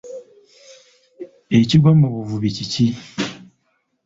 Ekiggwa mu bavubi kiki?